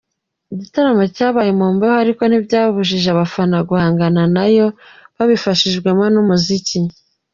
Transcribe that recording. Igitaramo cyabaye mu mbeho ariko ntibyabujije abafana guhangana nayo babifashijwemo n’umuziki.